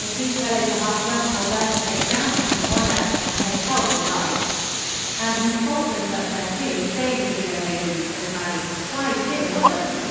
If these fellows are half drunk they'll burn the place down I shouldn't wonder, and play hell's delight.' 'And Miss Falkland's up there too, staying with the young ladies,' says Maddie. 'Why, Jim, what's up with you?